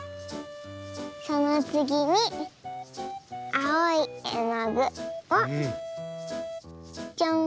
そのつぎにあおいえのぐをちょん。